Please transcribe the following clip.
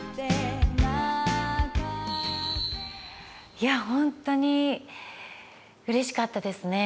いや本当にうれしかったですね。